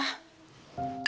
aku dayser menang